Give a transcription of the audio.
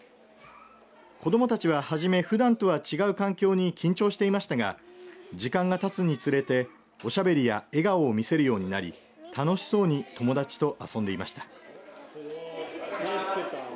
子どもたちは初めふだんとは違う環境に緊張していましたが時間がたつにつれておしゃべりや笑顔を見せるようになり楽しそうに友達と遊んでいました。